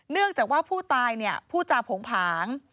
เนื่องจากว่าผู้ตายพูดจาโผงผาง